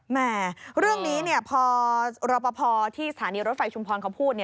แม่เรื่องนี้พอรอปภที่สถานีรถไฟชุมพรเขาพูด